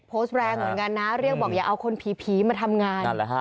โพสต์แรงเหมือนกันนะเรียกบอกอย่าเอาคนผีมาทำงาน